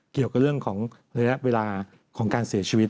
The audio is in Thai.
เกี่ยวกับเรื่องของระยะเวลาของการเสียชีวิต